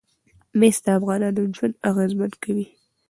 مس د افغانانو ژوند اغېزمن کوي.